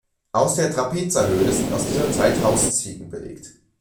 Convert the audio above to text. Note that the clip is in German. Aus der Trapeza-Höhle sind aus dieser Zeit Hausziegen belegt.